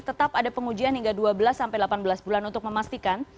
tetap ada pengujian hingga dua belas sampai delapan belas bulan untuk memastikan